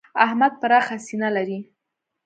احمد پراخه سینه لري.